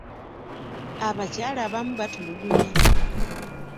Abakyala abamu batulugunya.